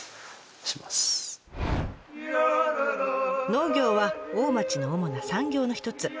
農業は大町の主な産業の一つ。